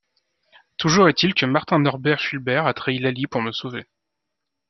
Toujours est il que Martin Norbert Fulbert a trahi Laly pour me sauver.